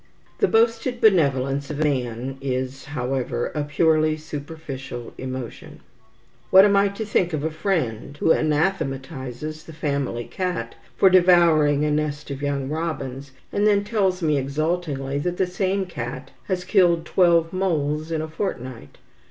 The boasted benevolence of man is, however, a purely superficial emotion. What am I to think of a friend who anathematizes the family cat for devouring a nest of young robins, and then tells me exultingly that the same cat has killed twelve moles in a fortnight.